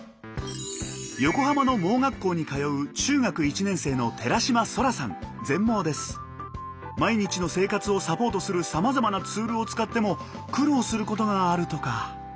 横浜の盲学校に通う毎日の生活をサポートするさまざまなツールを使っても苦労することがあるとか。